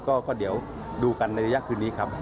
ก็เดี๋ยวดูกันในระยะคืนนี้ครับ